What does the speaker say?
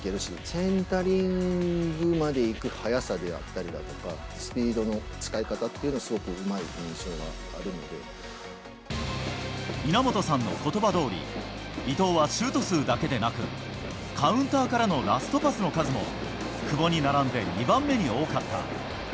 センタリングまでいく速さであったりだとか、スピードの使い方っていうのが、すごくうまい印象が稲本さんのことばどおり、伊東はシュート数だけでなく、カウンターからのラストパスの数も、久保に並んで２番目に多かった。